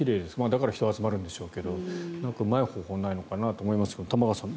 だから人が集まるんでしょうけどうまい方法はないのかなと思いますが、玉川さん